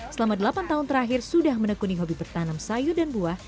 selama delapan tahun terakhir sudah menekuni hobi bertanam sayur dan buah